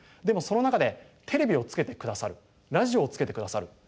でもその中でテレビをつけて下さるラジオをつけて下さる。